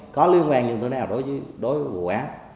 có liên quan như thế nào đối với vụ án